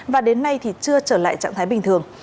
và đến nay thì chưa trở lại trạng thái bình thường